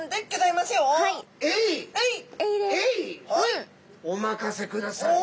お任せください。